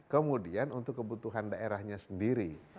kemudian untuk kebutuhan daerahnya sendiri